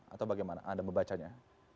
atau bagaimana anda membacanya